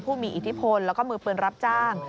ผู้มีอิทธิพลแล้วก็มือปืนรับจ้าง